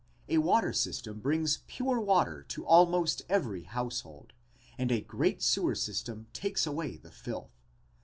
A water system brings pure water to almost every household and a great sewer system takes away the filth.